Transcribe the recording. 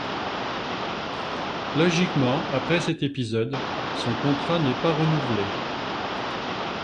Logiquement après cet épisode, son contrat n'est pas renouvelé.